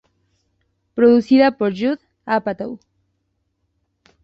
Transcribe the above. Producida por Judd Apatow.